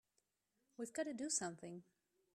We've got to do something!